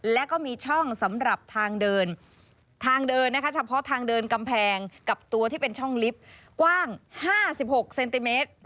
และก็มีช่องสำหรับทางเดินทางเดินนะคะเฉพาะทางเดินกำแพงกับตัวที่เป็นช่องลิฟต์กว้าง๕๖เซนติเมตร